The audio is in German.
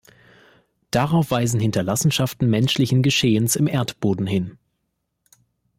Darauf weisen Hinterlassenschaften menschlichen Geschehens im Erdboden hin.